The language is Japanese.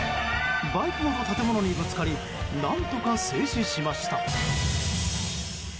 バイクごと建物にぶつかり何とか静止しました。